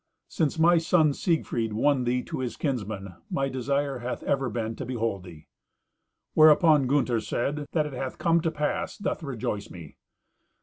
"Since my son Siegfried won thee to his kinsman, my desire hath ever been to behold thee." Whereupon Gunther said, "That it hath come to pass doth rejoice me."